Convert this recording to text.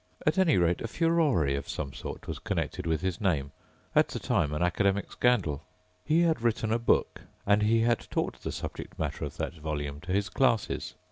At any rate a furore of some sort was connected with his name ... at the time an academic scandal. He had written a book, and he had taught the subject matter of that volume to his classes.